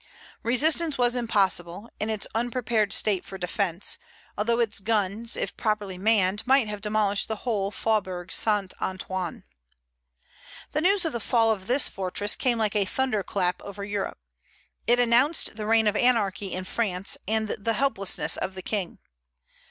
Resistance was impossible, in its unprepared state for defence, although its guns, if properly manned, might have demolished the whole Faubourg Saint Antoine. The news of the fall of this fortress came like a thunder clap over Europe. It announced the reign of anarchy in France, and the helplessness of the King.